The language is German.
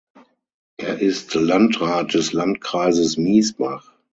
Er ist Landrat des Landkreises Miesbach.